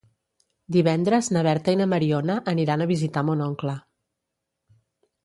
Divendres na Berta i na Mariona aniran a visitar mon oncle.